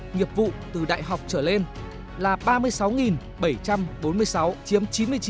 nghiệp vụ từ đại học trở lên là ba mươi sáu bảy trăm bốn mươi sáu chiếm chín mươi chín